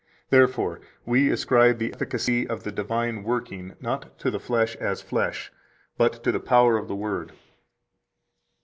Therefore, we ascribe the efficacy of the divine working not to the flesh as flesh, but to the power of the Word."